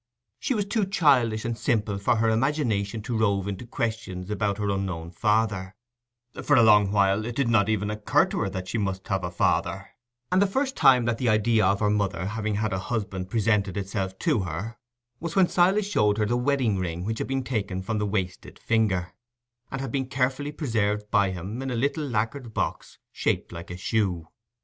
She was too childish and simple for her imagination to rove into questions about her unknown father; for a long while it did not even occur to her that she must have had a father; and the first time that the idea of her mother having had a husband presented itself to her, was when Silas showed her the wedding ring which had been taken from the wasted finger, and had been carefully preserved by him in a little lackered box shaped like a shoe.